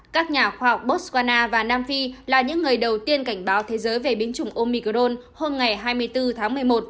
các nhà khoa học botswana và nam phi là những người đầu tiên cảnh báo thế giới về biến chủng omicrone hôm ngày hai mươi bốn tháng một mươi một